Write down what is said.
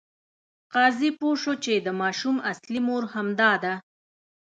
قاضي پوه شو چې د ماشوم اصلي مور همدا ده.